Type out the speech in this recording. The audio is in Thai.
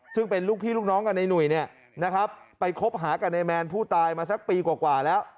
ซึ่งเป็นลูกพี่ลูกน้องกับในหนุ่ยไปคบหากับนายแมนผู้ตายมาสักปีกว่าแล้ว